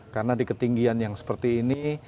karena di ketinggian yang seperti ini